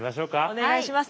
お願いします。